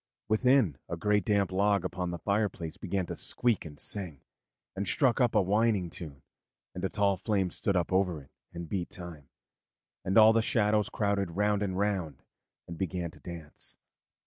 Within, a great damp log upon the fireplace began to squeak and sing, and struck up a whining tune, and a tall flame stood up over it and beat time, and all the shadows crowded round and began to dance.